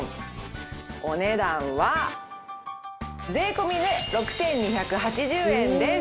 お値段は税込で６２８０円です。